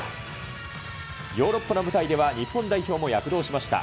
ヨーロッパの舞台では、日本代表も躍動しました。